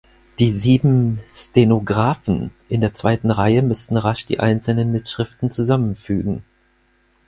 Die sieben "Stenografen" in der zweiten Reihe müssten rasch die einzelnen Mitschriften zusammenfügen.